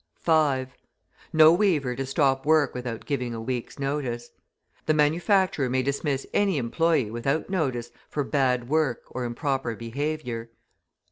5. No weaver to stop work without giving a week's notice. The manufacturer may dismiss any employee without notice for bad work or improper behaviour.